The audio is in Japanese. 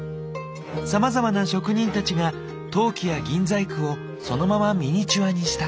さまざまな職人たちが陶器や銀細工をそのままミニチュアにした。